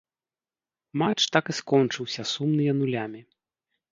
Матч так і скончыўся сумныя нулямі.